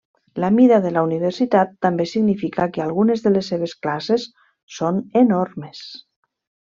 La mida de la universitat també significa que algunes de les seves classes són enormes.